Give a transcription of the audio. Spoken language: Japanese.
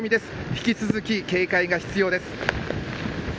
引き続き警戒が必要です。